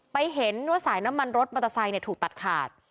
ไปเห็นว่าสายน้ำมันรถมอเตอร์ไซค์ถูกตัดขาด